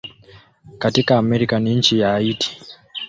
Katika Amerika ni nchi ya Haiti.